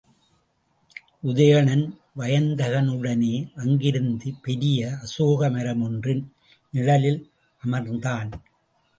உதயணன் வயந்தகனுடனே அங்கிருந்த பெரிய அசோக மரமொன்றின் நிழலில் அமர்ந்தான்.